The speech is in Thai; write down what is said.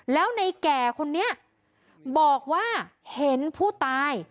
แล้วในแก่คนนี้บอกว่าเห็นผู้ตาย